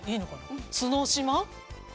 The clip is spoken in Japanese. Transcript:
角島？